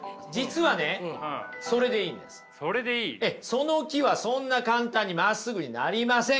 その木はそんな簡単にまっすぐになりません